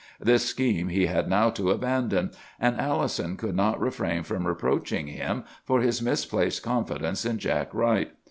This scheme he had now to abandon; and Allison could not refrain from reproaching him for his misplaced confidence in Jack Wright.